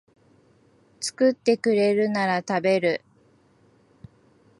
作ってくれるなら食べる